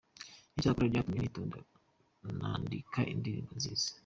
Cyakora byatumye nitonda nandika indirimbo nziza.